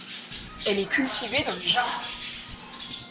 Elle est cultivée dans les jardins.